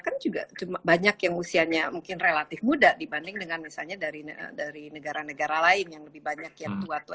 dan di negara kan juga banyak yang usianya mungkin relatif muda dibanding dengan misalnya dari negara negara lain yang lebih banyak yang tua tua